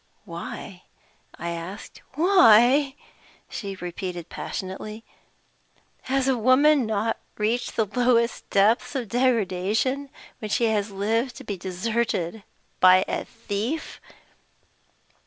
"Why?" I asked. "Why!" she repeated, passionately. "Has a woman not reached the lowest depths of degradation when she has lived to be deserted by a thief?"